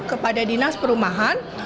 kepada dinas perumahan